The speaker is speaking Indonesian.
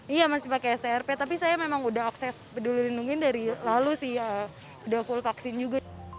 iya masih pakai strp tapi saya memang udah akses peduli lindungi dari lalu sih udah full vaksin juga